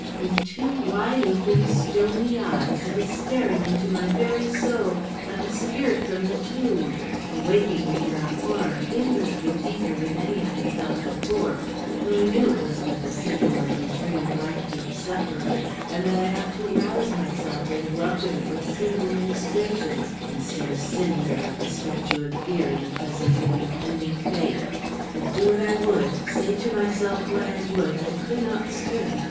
With two wide open, stony eyes it is staring into my very soul like a spirit from the tomb, awakening there a horror infinitely deeper than any I had felt before, though I knew it was but the signal of returning life to the sufferer, and that I ought to rouse myself and welcome it with suitable ministrations, instead of sitting there like a statue of fear in the presence of an impending fate. But do what I would, say to myself what I would, I could not stir.